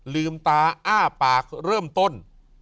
ลืมตาอ้าปากเริ่มต้น